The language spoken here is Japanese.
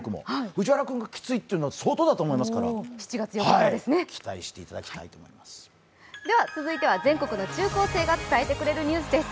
藤原君、きついっていうの、相当だと思いますから、期待してください続いては全国の中高生が伝えてくれるニュースです。